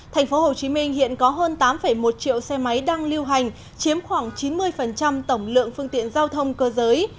tp hcm hiện có hơn tám một triệu xe máy đang lưu hành chiếm khoảng chín mươi tổng lượng phương tiện giao thông cơ giới